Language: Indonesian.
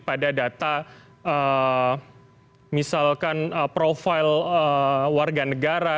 pada data misalkan profil warga negara